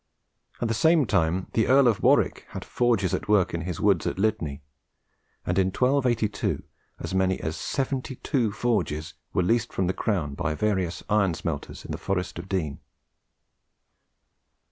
At the same time the Earl of Warwick had forges at work in his woods at Lydney; and in 1282, as many as 72 forges were leased from the Crown by various iron smelters in the same Forest of Dean.